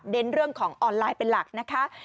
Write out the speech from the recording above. เรื่องของออนไลน์เป็นหลักนะคะ